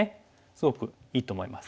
すごくいいと思います。